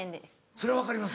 それは分かります。